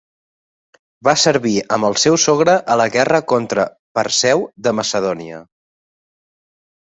Va servir amb el seu sogre a la guerra contra Perseu de Macedònia.